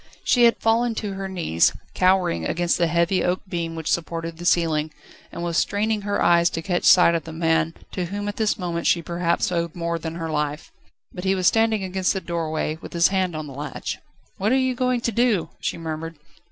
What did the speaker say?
She had fallen on her knees, cowering against the heavy oak beam which supported the ceiling, and was straining her eyes to catch sight of the man, to whom at this moment she perhaps owed more than her life: but he was standing against the doorway, with his hand on the latch. "What are you going to do?" she murmured.